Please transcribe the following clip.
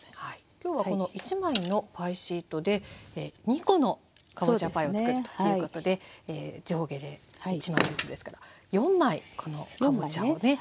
今日はこの１枚のパイシートで２コのかぼちゃパイをつくるということで上下で１枚ずつですけど４枚このかぼちゃをね